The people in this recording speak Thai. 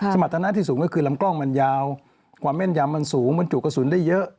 สมรรถนะที่สูงก็คือลำกล้องมันยาวความแม่นยำมันสูงบรรจุกระสุนได้เยอะ